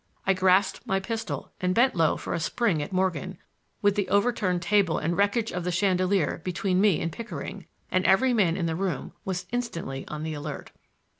I grasped my pistol and bent low for a spring at Morgan, with the overturned table and wreckage of the chandelier between me and Pickering; and every man in the room was instantly on the alert.